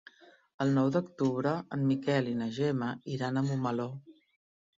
El nou d'octubre en Miquel i na Gemma iran a Montmeló.